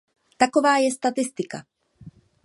Taková je statistika.